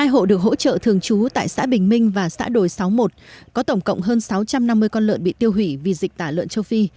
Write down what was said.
hai hộ được hỗ trợ thường trú tại xã bình minh và xã đồi sáu mươi một có tổng cộng hơn sáu trăm năm mươi con lợn bị tiêu hủy vì dịch tả lợn châu phi